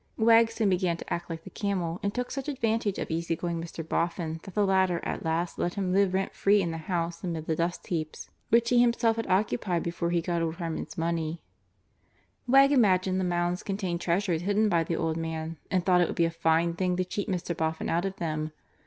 Wegg soon began to act like the camel and took such advantage of easy going Mr. Boffin that the latter at last let him live rent free in the house amid the dust heaps, which he himself had occupied before he got old Harmon's money. Wegg imagined the mounds contained treasures hidden by the old man and thought it would be a fine thing to cheat Mr. Boffin out of them.